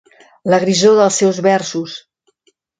La grisor dels seus versos.